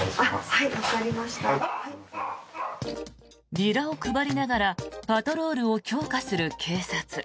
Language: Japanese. ビラを配りながらパトロールを強化する警察。